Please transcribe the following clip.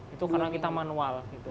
itu karena kita manual